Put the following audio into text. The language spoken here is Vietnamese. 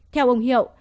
theo ông hiệu